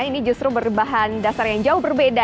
ini justru berbahan dasar yang jauh berbeda